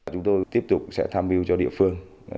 chúng tôi tiếp tục sẽ tham mưu cho địa phương